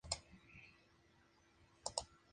En todos estos casos el instrumento extra es una viola.